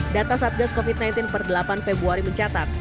data satgas covid sembilan belas per delapan februari mencatat